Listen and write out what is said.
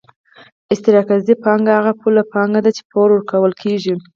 استقراضي پانګه هغه پولي پانګه ده چې پور ورکول کېږي